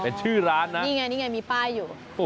นี่แหงะมีป้ายอยู่